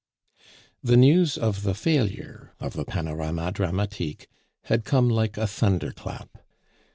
The news of the failure of the Panorama Dramatique had come like a thunder clap.